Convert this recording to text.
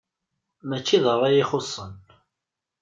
Mačči d ṛṛay i xuṣṣen.